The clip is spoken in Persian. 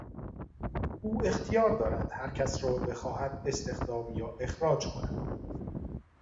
او اختیار دارد هرکس را بخواهد استخدام یا اخراج کند.